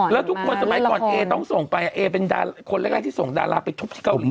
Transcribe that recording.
แล้วทุกคนสมัยก่อนเอต้องส่งไปเอเป็นคนแรกที่ส่งดาราไปทุบที่เกาหลี